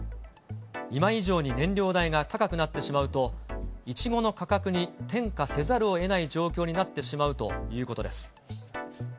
今以上に燃料代が高くなってしまうと、いちごの価格に転嫁せざるをえない状況になってしまうということです。